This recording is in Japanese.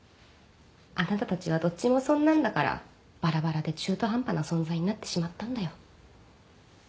あなたたちはどっちもそんなんだからばらばらで中途半端な存在になってしまったんだよ。